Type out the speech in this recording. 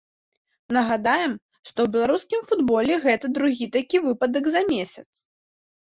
Нагадаем, што ў беларускім футболе гэта другі такі выпадак за месяц.